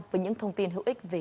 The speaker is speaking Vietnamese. với những thông tin hữu ích về y tế